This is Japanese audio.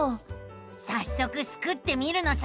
さっそくスクってみるのさ！